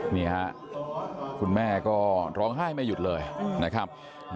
นี่ฮะคุณแม่ก็ร้องไห้ไม่หยุดเลยนะครับ